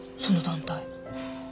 その団体。